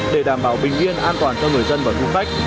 để đảm bảo bình yên an toàn cho người dân và du khách